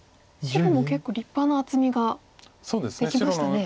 白も結構立派な厚みができましたね。